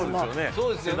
そうですよね